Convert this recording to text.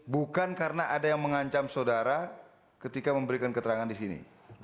bukan karena ada yang mengancam saudara ketika memberikan keterangan di sini